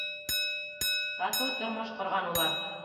Татыу тормош ҡорған улар.